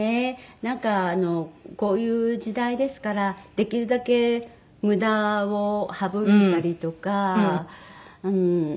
なんかこういう時代ですからできるだけ無駄を省いたりとかしようと思って。